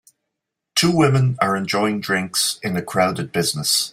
Two women are enjoying drinks in a crowded business